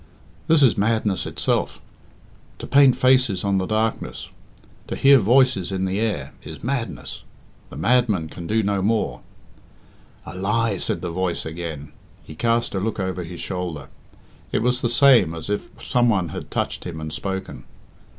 "This is madness itself. To paint faces on the darkness, to hear voices in the air, is madness. The madman can do no more." "A lie!" said the voice again. He cast a look over his shoulder. It was the same as if some one had touched him and spoken.